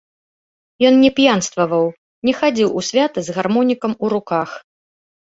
Ён не п'янстваваў, не хадзіў у свята з гармонікам у руках.